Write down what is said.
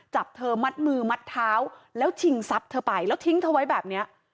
จับเธอมัดมือมัดเท้าแล้วชิงทรัพย์เธอไปแล้วทิ้งเธอไว้แบบนี้